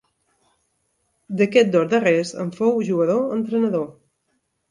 D'aquests dos darrers en fou jugador-entrenador.